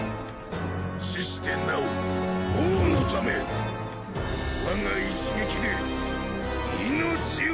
死してなお王のため我が一撃で命を刈り取らん！